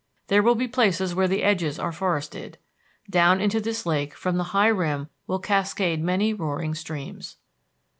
There will be places where the edges are forested. Down into this lake from the high rim will cascade many roaring streams.